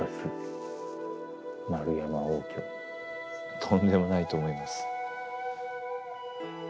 とんでもないと思います。